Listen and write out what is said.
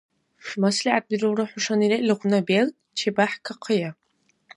МаслигӀятбирулра, хӀушанира илгъуна белкӀ чебяхӀкахъая.